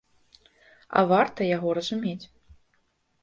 А варта яго разумець.